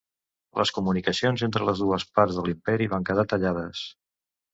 Les comunicacions entre les dues parts de l'imperi van quedar tallades.